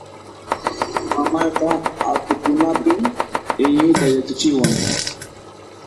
Mamayqa apukunapin iñiyta yachachiwan.